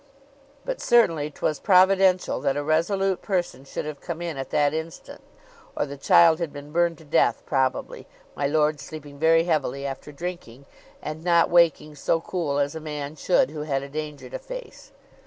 But certainly 'twas providential that a resolute person should have come in at that instant, or the child had been burned to death probably, my lord sleeping very heavily after drinking, and not waking so cool as a man should who had a danger to face.